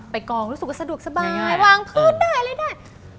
กองรู้สึกว่าสะดวกสบายวางพื้นได้อะไรได้